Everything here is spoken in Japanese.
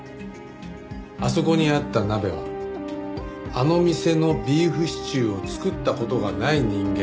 あそこにあった鍋はあの店のビーフシチューを作った事がない人間。